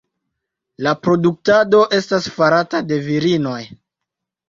La produktado esta farata de virinoj.